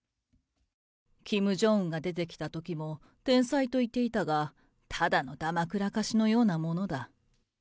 キム・ジョンウンが出てきたときも、天才と言っていたが、ただのだまくらかしのようなものだ。